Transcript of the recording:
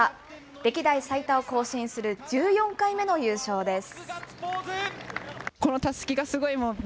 歴代最多を更新する１４回目の優勝です。